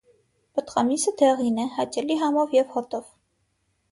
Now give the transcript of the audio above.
Պտղամիսը դեղին է, հաճելի համով և հոտով։